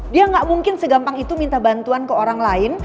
dia nggak mungkin segampang itu minta bantuan ke orang lain